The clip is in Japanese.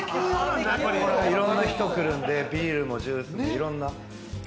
いろんな人来るんで、ビールもジュースもいろんな。